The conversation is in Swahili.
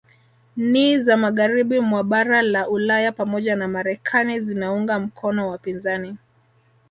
Nhi za magharibi mwa bara la Ulaya pamoja na Marekani zinaunga mkono wapinzani